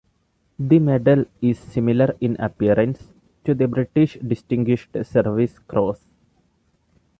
The medal is similar in appearance to the British Distinguished Service Cross.